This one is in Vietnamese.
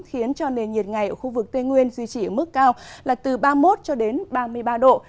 khiến cho nền nhiệt ngày ở khu vực tây nguyên duy trì ở mức cao là từ ba mươi một cho đến ba mươi ba độ